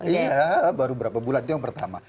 iya baru berapa bulan itu yang pertama